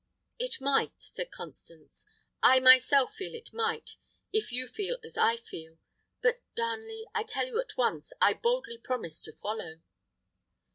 "It might," said Constance; "I myself feel it might, if you feel as I feel. But, Darnley, I tell you at once I boldly promise to follow."